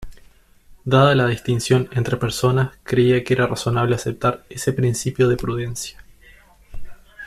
Dada la distinción entre personas, creía que era razonable aceptar ese principio de prudencia.